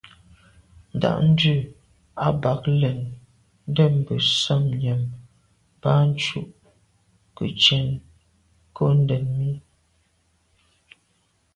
Ndǎ’ndʉ̂ a bαg len, ndɛ̂nmbə̀ sα̌m nyὰm mbὰ ncʉ̌’ kə cwɛ̌d nkondɛ̀n mi.